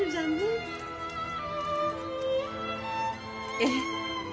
ええ。